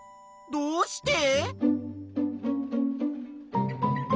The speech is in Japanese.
どうして？